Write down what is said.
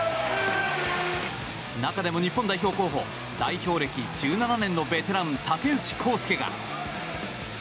中でも日本代表候補代表歴１７年のベテラン竹内公輔が。